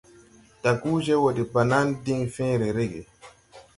Daguje wɔ de banan diŋ fẽẽre rege.